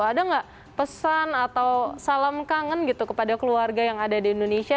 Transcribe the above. ada nggak pesan atau salam kangen gitu kepada keluarga yang ada di indonesia